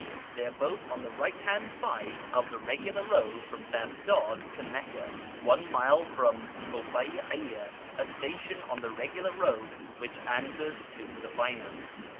They are both on the right hand side of the (regular) road from Baghdad to Meccah, one mile from Ofayciya (a station on the regular road which answers to Sufayna).